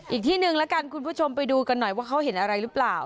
อีกที่หนึ่งแล้วกันคุณผู้ชมไปดูกันหน่อยว่าเขาเห็นอะไรหรือเปล่า